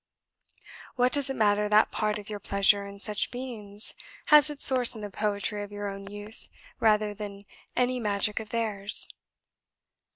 "What does it matter that part of your pleasure in such beings has its source in the poetry of your own youth rather than in any magic of theirs?